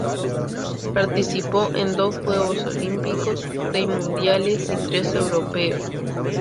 Participó en dos Juegos Olímpicos, seis Mundiales y tres Europeos.